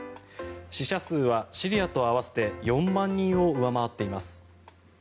死者数はシリアと合わせて４万人を上回っています。